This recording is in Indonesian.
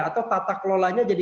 atau tata kelolanya jadi